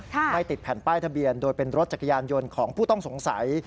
ไม่ติดแผ่นป้ายทะเบียนโดยเป็นรถจักรยานยนต์ของผู้ต้องสงสัย